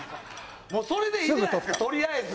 それでいいじゃないですかとりあえず。